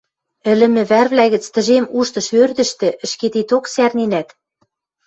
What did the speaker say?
ӹлӹмӹ вӓрвлӓ гӹц тӹжем уштыш ӧрдӹжтӹ, ӹшкететок сӓрненӓт?